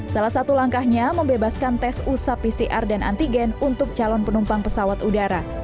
salah satu langkahnya membebaskan tes usap pcr dan antigen untuk calon penumpang pesawat udara